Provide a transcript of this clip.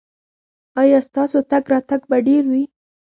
ایا ستاسو تګ راتګ به ډیر وي؟